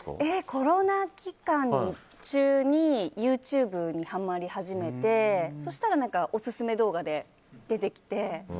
コロナ期間中にＹｏｕＴｕｂｅにハマり始めて、そうしたらオススメ動画で出てきて。